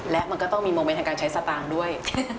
และมันก็ต้องมีโมเมนต์ทางการใช้สตางค์ด้วย